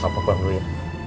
papa pulang dulu ya